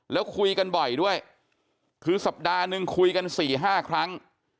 แล้วคุยกันบ่อยด้วยคือสัปดาห์นึงคุยกัน๔๕ครั้ง